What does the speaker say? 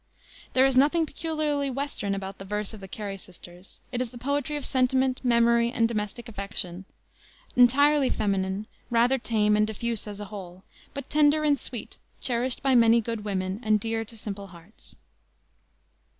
There is nothing peculiarly Western about the verse of the Cary sisters. It is the poetry of sentiment, memory, and domestic affection, entirely feminine, rather tame and diffuse as a whole, but tender and sweet, cherished by many good women and dear to simple hearts.